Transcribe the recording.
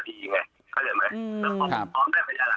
แต่ทีผมไม่ออกไปเพราะสือถาม